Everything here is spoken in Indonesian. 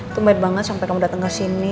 tumit banget sampai kamu datang ke sini